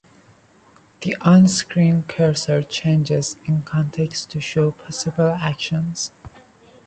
The on-screen cursor changes in context to show possible actions.